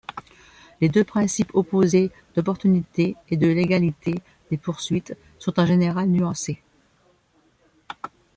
Les deux principes opposés, d'opportunité et de légalité des poursuites, sont en général nuancés.